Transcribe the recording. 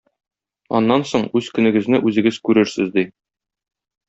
Аннан соң үз көнегезне үзегез күрерсез, - ди.